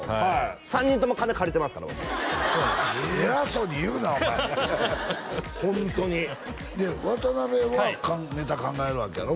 ３人とも金借りてますから僕偉そうに言うなお前ホントにで渡辺はネタ考えるわけやろ？